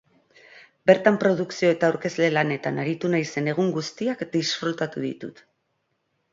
Bertan produkzio eta aurkezle lanetan aritu naizen egun guztiak disfrutatu ditut.